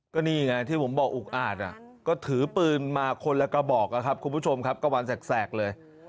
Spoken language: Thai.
ก็นี่ไงที่ผมบอกอุกอาจก็ถือปืนมาคนละกระบอกนะครับคุณผู้ชมครับกระวันแสกเลย